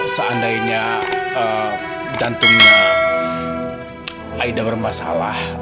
seandainya jantungnya aida bermasalah